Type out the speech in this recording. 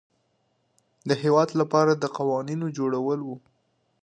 د هیواد لپاره د قوانینو جوړول وه.